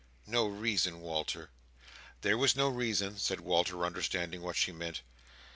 "No reason, Walter!" "There was no reason," said Walter, understanding what she meant.